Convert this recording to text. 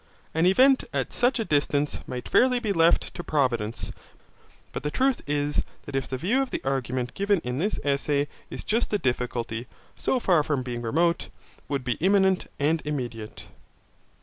An event at such a distance might fairly be left to providence, but the truth is that if the view of the argument given in this Essay be just the difficulty, so far from being remote, would be imminent and immediate.